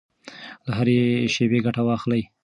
له هرې شېبې ګټه واخلئ.